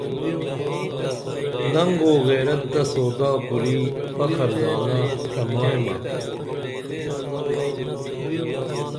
ننگ او غیرت تہ سودا کُری فخر زانہ ڇمائیمہ